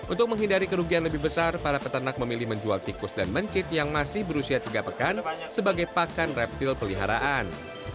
untuk menghindari kerugian lebih besar para peternak memilih menjual tikus dan mencit yang masih berusia tiga pekan sebagai pakan reptil peliharaan